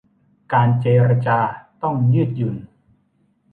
การเจรจาต้องยืดหยุ่น